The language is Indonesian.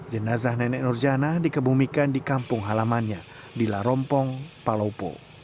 jenazah nenek nurjana dikebumikan di kampung halamannya di larompong palopo